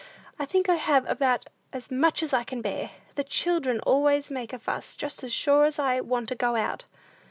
"I think I have about as much as I can bear. The children always make a fuss, just as sure as I want to go out."